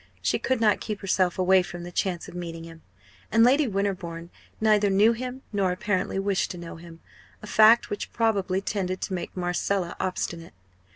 She could not keep herself away from the chance of meeting him. And Lady Winterbourne neither knew him, nor apparently wished to know him a fact which probably tended to make Marcella obstinate.